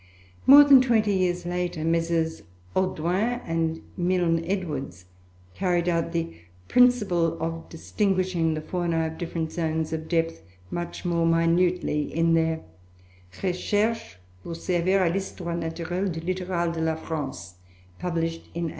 More than twenty years later, M.M. Audouin and Milne Edwards carried out the principle of distinguishing the Faunae of different zones of depth much more minutely, in their "Recherches pour servir à l'Histoire Naturelle du Littoral de la France," published in 1832.